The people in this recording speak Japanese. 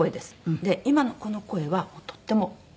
で今のこの声はとっても苦しいです。